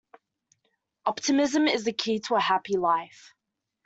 Optimism is the key to a happy life.